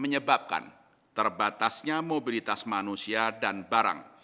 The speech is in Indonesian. menyebabkan terbatasnya mobilitas manusia dan barang